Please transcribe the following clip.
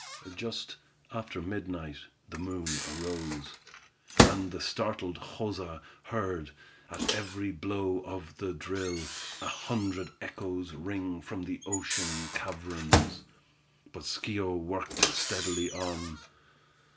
Just after midnight the moon arose, and the startled Joza heard, at every blow of the drill, a hundred echoes ring out from the ocean caverns. But Schio worked steadily on.